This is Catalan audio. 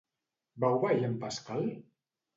Va obeir a en Pascal?